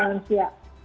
hidup yang siap